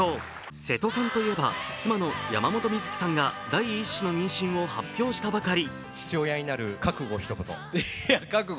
瀬戸さんといえば妻の山本美月さんが第１子の妊娠を発表したばかり。